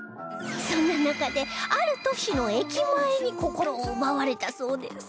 そんな中である都市の駅前に心を奪われたそうです